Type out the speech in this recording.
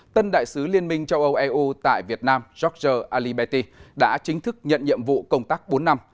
tân đại sứ liên minh châu âu eu tại việt nam george aliberti đã chính thức nhận nhiệm vụ công tác bốn năm